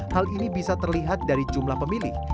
hal ini bisa terlihat dari jumlah pemilih